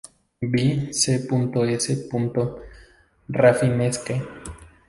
By C. S. Rafinesque.